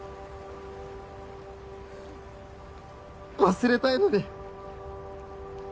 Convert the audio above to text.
忘れたいのに。